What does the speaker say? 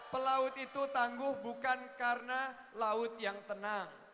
pelaut itu tangguh bukan karena laut yang tenang